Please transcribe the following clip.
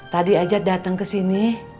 tadi aja dateng kesini